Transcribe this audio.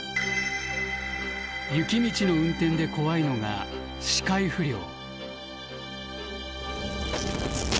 雪道の運転で怖いのが視界不良。